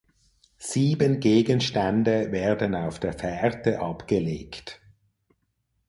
Sieben Gegenstände werden auf der Fährte abgelegt.